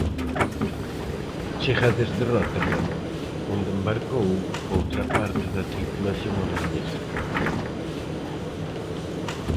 Chega dende Róterdam, onde embarcou outra parte da tripulación holandesa.